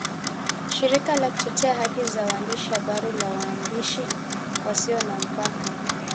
shirika la kutetea haki za waandishi habari la Waandishi wasio na Mpaka